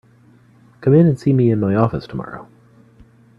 Come in and see me in my office tomorrow.